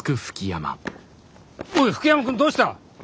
おい吹山君どうした？